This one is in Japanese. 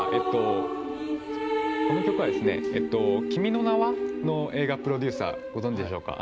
この曲は「君の名は。」の映画プロデューサーご存じでしょうか。